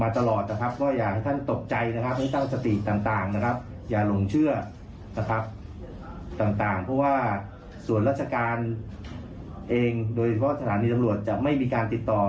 โดยเฉพาะฐานีตำรวจจะไม่มีการติดต่อ